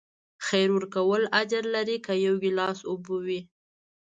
خیر ورکول اجر لري، که یو ګیلاس اوبه وي.